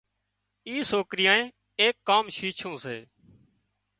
اي سوڪريئي ايڪ ڪام شيڇُون سي